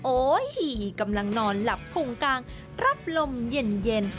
โอ้โหกำลังนอนหลับพุงกลางรับลมเย็น